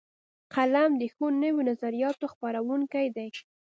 قلم د ښو نویو نظریاتو خپروونکی دی